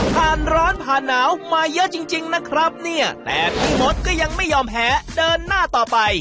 ผ่านร้อนผ่านหนาวมาเยอะจริงจริงนะครับเนี่ยแต่พี่มดก็ยังไม่ยอมแพ้เดินหน้าต่อไป